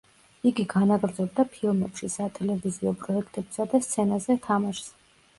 იგი განაგრძობდა ფილმებში, სატელევიზიო პროექტებსა და სცენაზე თამაშს.